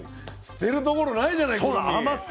捨てるところないじゃないくるみ。